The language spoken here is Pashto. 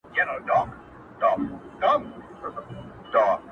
هر څوک هڅه کوي تېر هېر کړي خو نه کيږي,